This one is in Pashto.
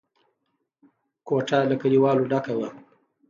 کوټه له کليوالو ډکه وه.